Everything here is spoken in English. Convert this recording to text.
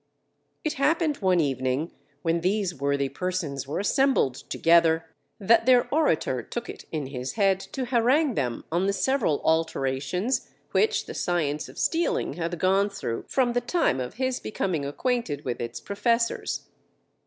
It happened one evening, when these worthy persons were assembled together, that their orator took it in his head to harangue them on the several alterations which the science of stealing had gone through from the time of his becoming acquainted with its professors.